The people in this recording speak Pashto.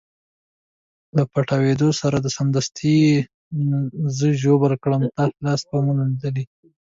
له پټاودو سره سمدستي یې زه ژوبل کړم، تا لاسي بمونه لیدلي؟